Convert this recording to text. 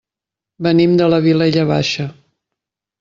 Venim de la Vilella Baixa.